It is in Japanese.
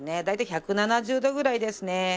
大体１７０度ぐらいですね。